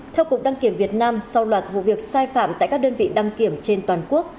theo cục đăng kiểm việt nam sau loạt vụ việc sai phạm tại các đơn vị đăng kiểm trên toàn quốc